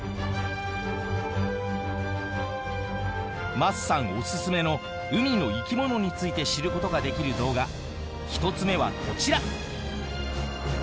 桝さんオススメの海の生き物について知ることができる動画１つ目はこちら！